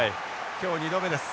今日２度目です。